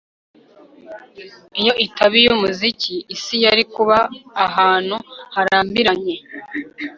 iyo itaba iyumuziki, isi yari kuba ahantu harambiranye